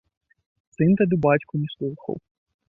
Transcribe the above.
Сын тады бацьку не слухаў.